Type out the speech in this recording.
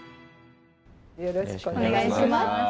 よろしくお願いします。